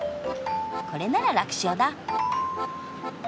これなら楽勝だ！